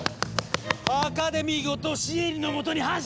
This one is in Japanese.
アカデミーごとシエリのもとに発進よ！